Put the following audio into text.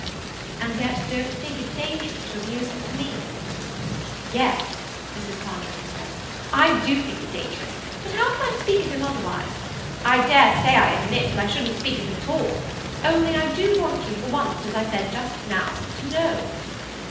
"And yet don't think it dangerous to abuse him to me?" "Yes," Mrs. Condrip confessed, "I do think it dangerous; but how can I speak of him otherwise? I dare say, I admit, that I shouldn't speak of him at all. Only I do want you for once, as I said just now, to know."